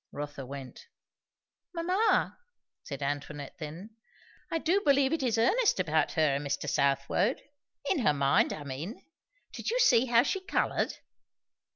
Rotha went. "Mamma," said Antoinette then, "I do believe it is earnest about her and Mr. Southwode. In her mind, I mean. Did you see how she coloured?"